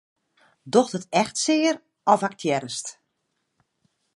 Docht it echt sear of aktearrest?